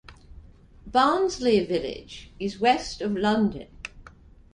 Barnsley village is west of London.